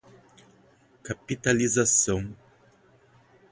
capitalização